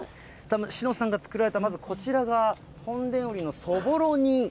しのさんが作られたまず、こちらが本田ウリのそぼろ煮。